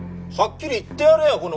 はっきり言ってやれよ！